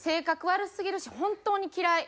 悪すぎるし本当に嫌い」。